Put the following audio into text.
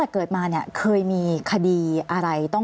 ก็คลิปออกมาแบบนี้เลยว่ามีอาวุธปืนแน่นอน